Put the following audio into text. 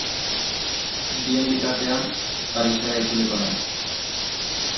Bien bitartean, Parisera itzuliko naiz.